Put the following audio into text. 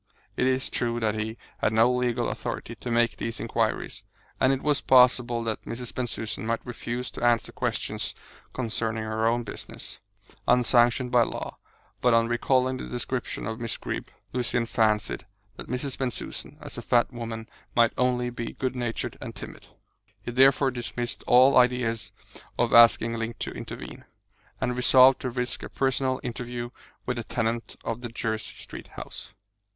It is true that he had no legal authority to make these inquiries, and it was possible that Mrs. Bensusan might refuse to answer questions concerning her own business, unsanctioned by law; but on recalling the description of Miss Greeb, Lucian fancied that Mrs. Bensusan, as a fat woman, might only be good natured and timid. He therefore dismissed all ideas of asking Link to intervene, and resolved to risk a personal interview with the tenant of the Jersey Street house.